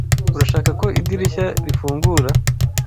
Urashaka ko idirishya rifungura?